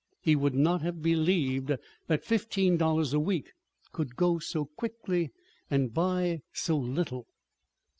He would not have believed that fifteen dollars a week could go so quickly, and buy so little.